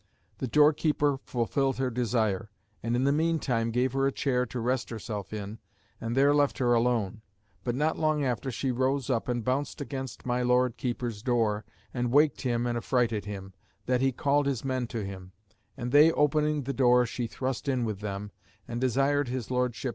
The door keeper fulfilled her desire, and in the meantime gave her a chair to rest herself in, and there left her alone; but not long after, she rose up and bounced against my Lord Keeper's door, and waked him and affrighted him, that he called his men to him; and they opening the door, she thrust in with them, and desired his Lp.